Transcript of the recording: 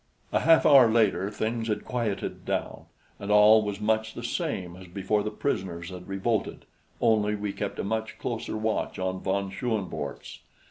A half hour later things had quieted down, and all was much the same as before the prisoners had revolted only we kept a much closer watch on von Schoenvorts.